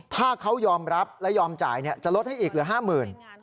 ถ้าเขายอมรับและยอมจ่ายจะลดให้อีกหรือห้าหมื่น